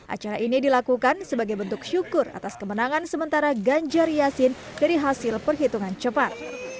acara ini dilakukan sebagai bentuk syukur atas kemenangan sementara ganjar yasin dari hasil perhitungan cepat